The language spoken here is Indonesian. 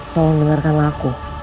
tolong dengarkan aku